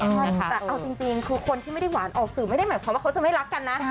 แต่เอาจริงคือคนที่ไม่ได้หวานออกสื่อไม่ได้หมายความว่าเขาจะไม่รักกันนะ